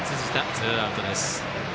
ツーアウトです。